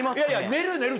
寝る寝る